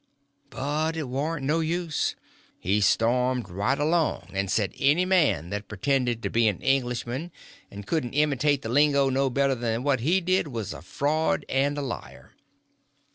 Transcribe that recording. But it warn't no use; he stormed right along, and said any man that pretended to be an Englishman and couldn't imitate the lingo no better than what he did was a fraud and a liar.